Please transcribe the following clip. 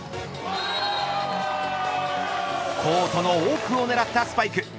コートの奥を狙ったスパイク。